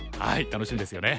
楽しみですね。